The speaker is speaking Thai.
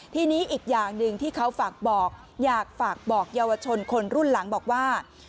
ทีนี้อีกอย่างหนึ่งที่เขาฝากบอกอยากฝากบอกเยาวชนคนรุ่นหลังบอกว่า